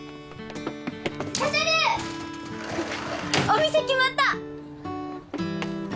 お店決まった！